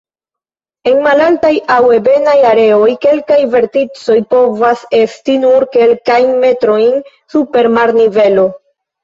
En malaltaj aŭ ebenaj areoj kelkaj verticoj povas esti nur kelkajn metrojn super marnivelo.